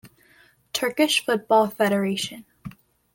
Turkish Football Federation.